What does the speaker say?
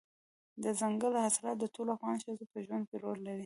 دځنګل حاصلات د ټولو افغان ښځو په ژوند کې رول لري.